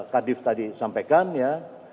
kadif tadi sampaikan ya